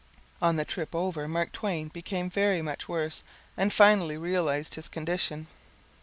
On the trip over Mark Twain became very much worse and finally realized his condition.